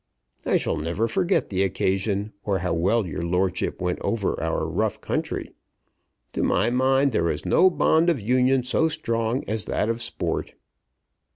I shall never forget the occasion, or how well your lordship went over our rough country. To my mind there is no bond of union so strong as that of sport.